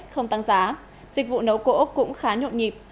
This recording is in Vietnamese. không tăng giá dịch vụ nấu cỗ cũng khá nhộn nhịp